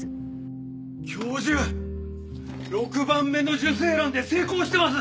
６番目の受精卵で成功してます！